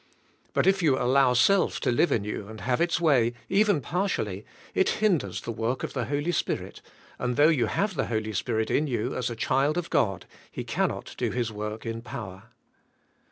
But if you allow self to live in you and have its way even partially, it hinders the work of the Holy Spirit and thoug h you have the Holy Spirit in you as a child of God He cannot do His work in power.